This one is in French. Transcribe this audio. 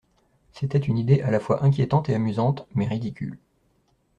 C’était une idée à la fois inquiétante et amusante, mais ridicule.